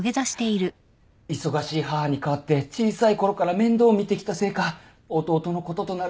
忙しい母に代わって小さいころから面倒を見てきたせいか弟のこととなるとつい。